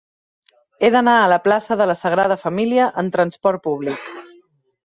He d'anar a la plaça de la Sagrada Família amb trasport públic.